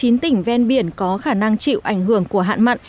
chín tỉnh ven biển có khả năng chịu ảnh hưởng của hạn mặn